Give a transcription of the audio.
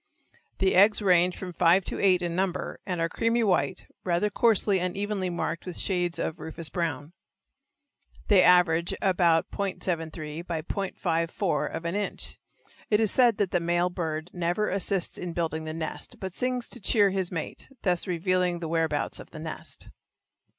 The eggs range from five to eight in number, and are creamy white, rather coarsely and evenly marked with shades of rufous brown. They average about .73 × .54 of an inch. It is said that the male bird never assists in building the nest, but sings to cheer his mate, thus revealing the whereabouts of the nest.